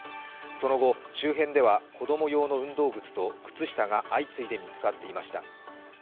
その後、周辺では子供用の運動靴と靴下が相次いで見つかっていました。